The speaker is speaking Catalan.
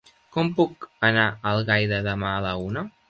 Com puc anar a Algaida demà a la una?